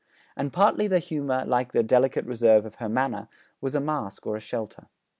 And partly the humour, like the delicate reserve of her manner, was a mask or a shelter.